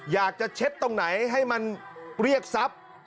อยากจะเช็ดตรงไหนให้มันเรียกซับ